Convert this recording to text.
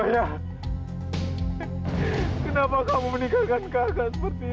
hai hai kenapa kamu menikahkan kakak seperti ini